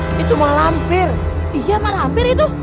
haa itu malam pir iya malam pir itu